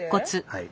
はい。